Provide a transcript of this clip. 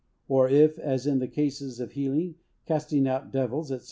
Or if, as in cases of healing, casting out devils, &c.